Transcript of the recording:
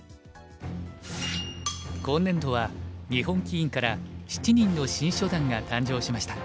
今年度は日本棋院から７人の新初段が誕生しました。